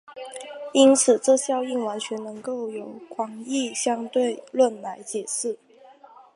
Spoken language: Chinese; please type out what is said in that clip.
因此这效应完全能够由广义相对论来解释。